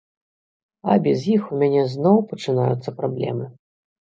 А без іх у мяне зноў пачынаюцца праблемы.